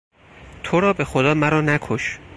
ترا به خدا مرا نکش!